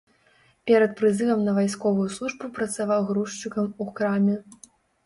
Перад прызывам на вайсковую службу працаваў грузчыкам у краме.